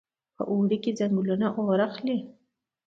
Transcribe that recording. په اوړي کې ځنګلونه اور اخلي.